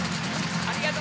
ありがとう。